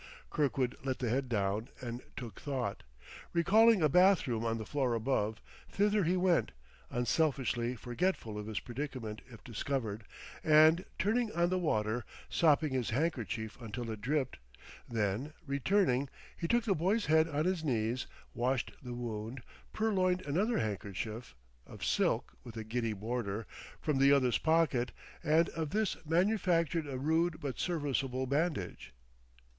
Kirkwood let the head down and took thought. Recalling a bath room on the floor above, thither he went, unselfishly forgetful of his predicament if discovered, and, turning on the water, sopped his handkerchief until it dripped. Then, returning, he took the boy's head on his knees, washed the wound, purloined another handkerchief (of silk, with a giddy border) from the other's pocket, and of this manufactured a rude but serviceable bandage.